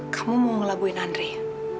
kamu mau ngelaguin andre ya